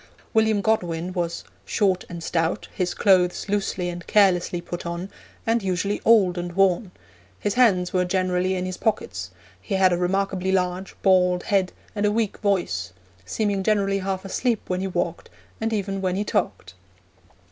William Godwin was 'short and stout, his clothes loosely and carelessly put on, and usually old and worn; his hands were generally in his pockets; he had a remarkably large, bald head, and a weak voice; seeming generally half asleep when he walked, and even when he talked.'